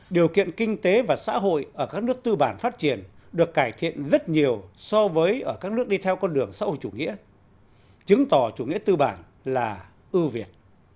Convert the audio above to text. điều kiện kinh tế và xã hội ở các nước tư bản phát triển được cải thiện rất nhiều so với ở các nước đi theo con đường xã hội chủ nghĩa chứng tỏ chủ nghĩa tư bản là ưu việt